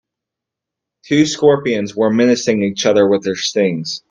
Two scorpions were menacing each other with their stings.